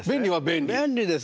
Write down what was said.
便利です。